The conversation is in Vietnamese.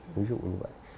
ví dụ như vậy